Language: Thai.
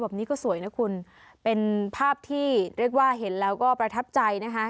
แบบนี้ก็สวยนะคุณเป็นภาพที่เรียกว่าเห็นแล้วก็ประทับใจนะคะ